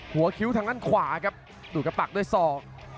หัวคิ้วทางด้านขวาครับดูดกระปักด้วยสอก